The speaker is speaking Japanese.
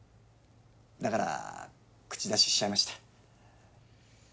だから口出ししちゃいました。